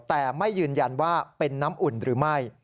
แต่ไม่ยืนยันว่าเป็นน้ำอุ่นหรือไม่